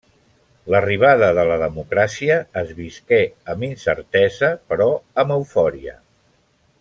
L'arribada de la democràcia es visqué amb incertesa però amb eufòria.